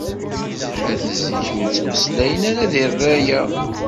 At zik ur ttmeslayen ara di rraya.